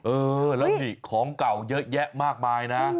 เออแล้วนี่ของเก่าเยอะแยะมากมายนะ